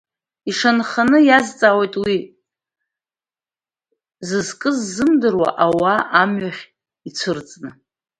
Ишанханы иазҵаауеит уи зызкыз ззымдыруа ауаа, амҩахь ицәырҵны.